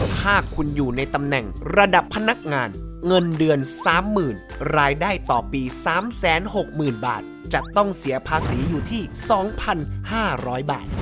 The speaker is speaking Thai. ถ้าคุณอยู่ในตำแหน่งระดับพนักงานเงินเดือน๓๐๐๐รายได้ต่อปี๓๖๐๐๐บาทจะต้องเสียภาษีอยู่ที่๒๕๐๐บาท